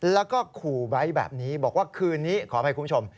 แล้วก็ขู่ไว้แบบนี้บอกว่าคืนนี้ขออภัยคุณผู้ชม